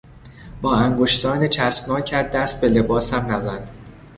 با انگشتان چسبناکت دست به لباسم نزن!